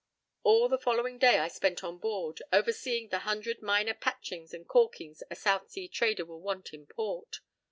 p> All the following day I spent on board, overseeing the hundred minor patchings and calkings a South Sea trader will want in port.